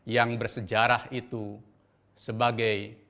yang bersejarah itu sebagai